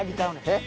えっ？